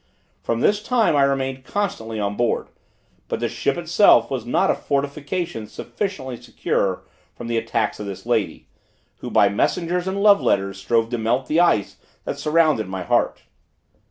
From this time I remained constantly on board; but the ship itself was not a fortification sufficiently secure from the attacks of this lady, who by messengers and love letters strove to melt the ice that surrounded my heart.